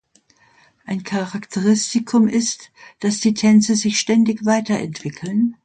Ein Charakteristikum ist, dass die Tänze sich ständig weiterentwickeln.